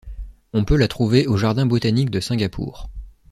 On peut la trouver aux Jardins Botaniques de Singapour.